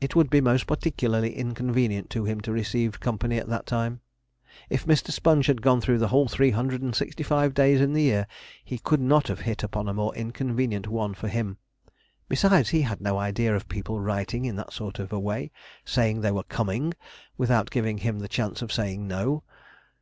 It would be most particularly inconvenient to him to receive company at that time. If Mr. Sponge had gone through the whole three hundred and sixty five days in the year, he could not have hit upon a more inconvenient one for him. Besides, he had no idea of people writing in that sort of a way, saying they were coming, without giving him the chance of saying no.